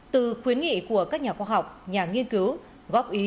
từ khuyến nghị của các nhà khoa học nhà nghiên cứu góp ý